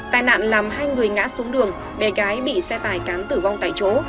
tài nạn làm hai người ngã xuống đường bé gái bị xe tài cán tử vong tại chỗ